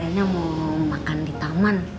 akhirnya mau makan di taman